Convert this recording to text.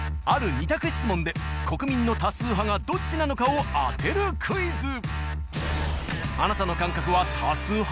２択質問で国民の多数派がどっちなのかを当てるクイズあなたの感覚は多数派？